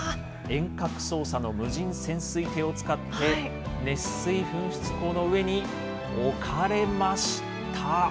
遠隔操作の無人潜水艇を使って熱水噴出孔の上に置かれました。